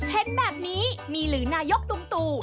เห็นแบบนี้มีหรือนายกตุงตู่